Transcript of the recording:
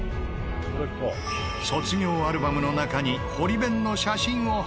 卒業アルバムの中に堀弁の写真を発見！